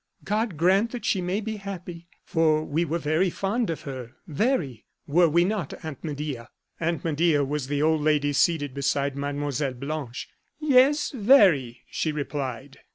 God grant that she may be happy; for we were very fond of her, very were we not, Aunt Medea?" Aunt Medea was the old lady seated beside Mlle. Blanche. "Yes, very," she replied.